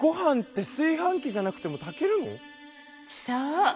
そう。